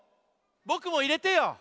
ぼくもいれてよ！